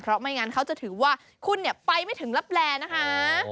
เพราะไม่งั้นเขาจะถือว่าคุณเนี่ยไปไม่ถึงลับแลนะคะ